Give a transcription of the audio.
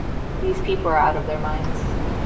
These people are out of their minds.